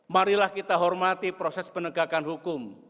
marilah kita hormati proses penegakan hukum